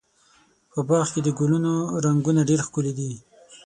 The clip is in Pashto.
په باغ کې د ګلونو رنګونه ډېر ښکلي دي.